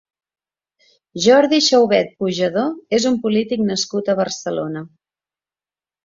Jordi Xaubet Pujadó és un polític nascut a Barcelona.